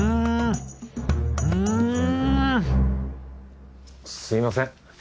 んんすみません。